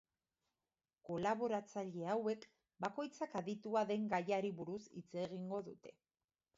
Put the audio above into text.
Kolaboratzaile hauek, bakoitzak aditua den gaiari buruz hitz egingo dute.